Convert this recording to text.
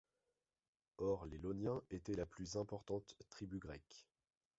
Or les Ioniens étaient la plus importante tribu grecque.